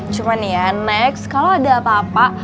cuman ya next kalo ada apa apa